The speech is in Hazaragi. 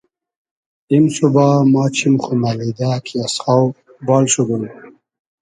ایم سوبا ما چیم خو مئلیدۂ کی از خاو بال شودوم